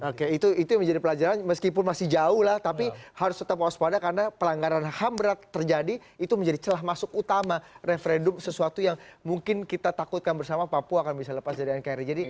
oke itu yang menjadi pelajaran meskipun masih jauh lah tapi harus tetap waspada karena pelanggaran ham berat terjadi itu menjadi celah masuk utama referendum sesuatu yang mungkin kita takutkan bersama papua akan bisa lepas dari nkri